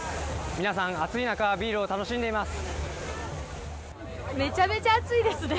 皆さん暑い中ビールを楽しんでいます。